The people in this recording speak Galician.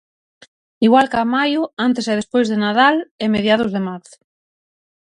Igual ca maio, antes e despois de Nadal e mediados de marzo.